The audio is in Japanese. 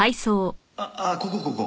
ああここここここ。